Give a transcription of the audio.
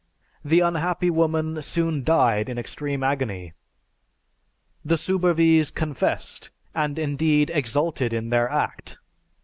The unhappy woman soon died in extreme agony. The Soubervies confessed, and indeed, exulted in their act.